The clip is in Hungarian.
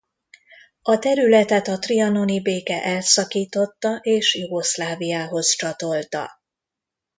A területet a trianoni béke elszakította és Jugoszláviához csatolta.